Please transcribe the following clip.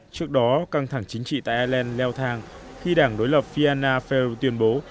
trước đó căng thẳng chính trị tại ai lê leo thang khi đảng đối lập fianna fair tuyên bố